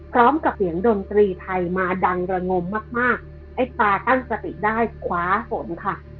พร้อมกับเสียงดนตรีไทยมาดังระงมมากมากไอ้ตาตั้งสติได้คว้าฝนค่ะ